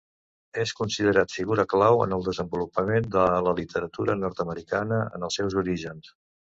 És considerat figura clau en el desenvolupament de la literatura nord-americana en els seus orígens.